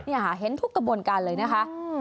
เนี่ยเห็นทุกกระบวนกันเลยนะคะ